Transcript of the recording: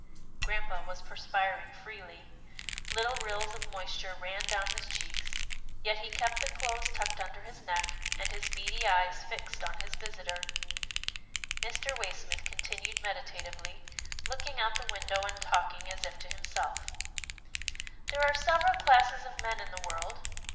Grampa was perspiring freely. Little rills of moisture ran down his cheeks, yet he kept the clothes tucked under his neck, and his beady eyes fixed on his visitor. Mr. Waysmith continued meditatively, looking out the window and talking as if to himself. " There 88 'TILDA JANE'S ORPHANS are several classes of men in the world.